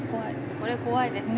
これ怖いですね。